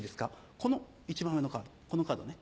この一番上のカードこのカードね。